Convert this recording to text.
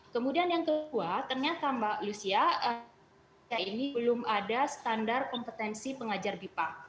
kemudian yang kedua ternyata mbak lucia ini belum ada standar kompetensi pengajar bipa